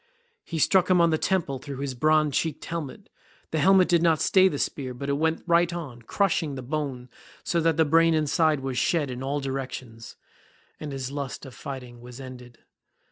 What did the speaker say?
He struck him on the temple through his bronze cheeked helmet. The helmet did not stay the spear, but it went right on, crushing the bone so that the brain inside was shed in all directions, and his lust of fighting was ended.